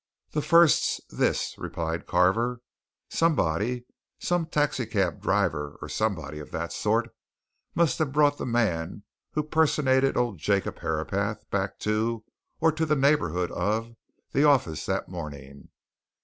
"The first's this," replied Carver. "Somebody some taxi cab driver or somebody of that sort must have brought the man who personated old Jacob Herapath back to, or to the neighbourhood of, the office that morning.